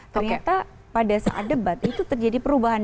ternyata pada saat debat itu terjadi perubahan